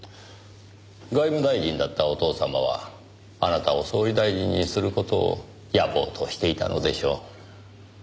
外務大臣だったお父様はあなたを総理大臣にする事を野望としていたのでしょう。